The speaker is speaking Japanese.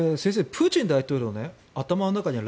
プーチン大統領の頭の中には